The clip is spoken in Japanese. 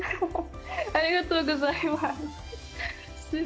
ありがとうございます。